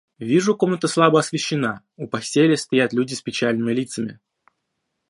Вижу, комната слабо освещена; у постели стоят люди с печальными лицами.